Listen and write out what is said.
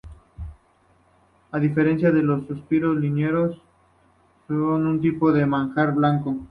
A diferencia de los suspiros limeños, son un tipo de manjar blanco.